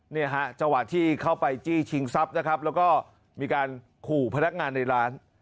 เนี่ยฮะจังหวะที่เข้าไปจี้ชิงทรัพย์นะครับแล้วก็มีการขู่พนักงานในร้าน